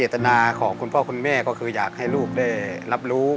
ตนาของคุณพ่อคุณแม่ก็คืออยากให้ลูกได้รับรู้